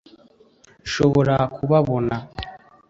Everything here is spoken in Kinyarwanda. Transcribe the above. nshobora kubabona